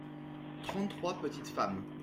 Trente-trois petites femmes.